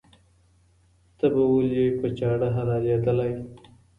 ته به ولي په چاړه حلالېدلای